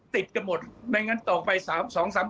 ติดกันหมดไม่งั้นต่อไปสองสาม